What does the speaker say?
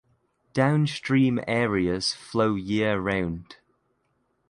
Downstream areas flow year round.